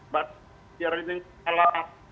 biarin ini salah